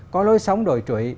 có lối sống đồi trụi